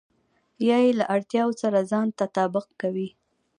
يا يې له اړتياوو سره ځان تطابق کوئ.